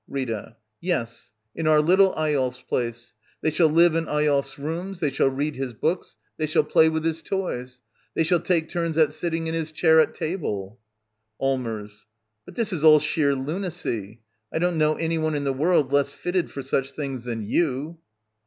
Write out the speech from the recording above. Rita. Yes, in our little Eyolf s place. They shall live in Eyolf s rooms. They shall read his books. They shall play with his toys. They shall take turns at sitting in his chair at table. Allmers. But this is all sheer lunacy! I don't know any one in the world less fitted for such things than you.